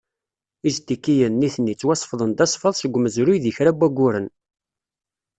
Iztikiyen, nitni, ttwasefḍen d asfaḍ seg umezruy deg kra n wayyuren.